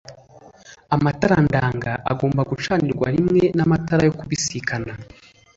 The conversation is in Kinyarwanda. amatara ndanga agomba gucanirwa rimwe n amatara yo kubisikana.